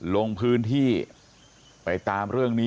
ลงพื้นที่ไปตามเรื่องนี้